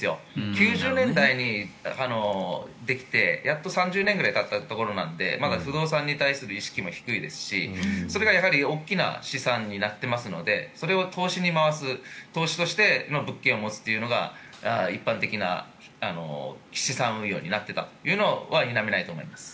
９０年代にできてやっと３０年ぐらいたったところなのでまだ不動産に対する意識も低いですしそれが大きな資産になっていますのでそれを投資に回す投資として物件を持つというのが一般的な資産運用になっていたのは否めないと思います。